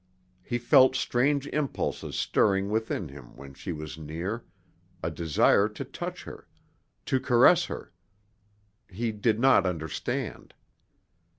He felt strange impulses stirring within him when she was near, a desire to touch her, to caress her. He did not understand.